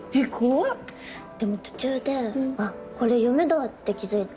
でも途中で「あっこれ夢だ！」って気付いて。